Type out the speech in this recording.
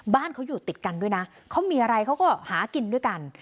บ้านเขาอยู่ติดกันด้วยนะเขามีอะไรเขาก็หากินด้วยกัน